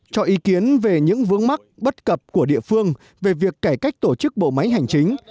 cho ý kiến về những vướng mắc bất cập của địa phương về việc cải cách tổ chức bộ máy hành chính